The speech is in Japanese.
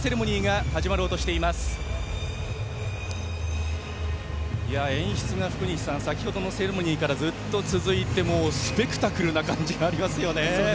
福西さん演出が先程のセレモニーからずっと続いてスペクタクルな感じがありますね。